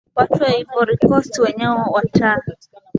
watu wa ivory coast wenyewe wataa